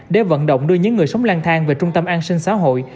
để vận động đưa những người sống lang thang về trung tâm an sinh xã hội